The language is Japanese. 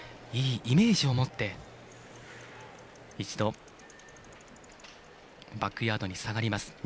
いいイメージを持って一度、バックヤードに下がります。